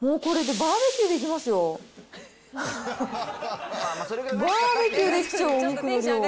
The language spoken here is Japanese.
バーベキューできちゃう、お肉の量。